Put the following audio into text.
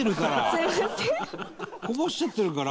こぼしちゃってるから。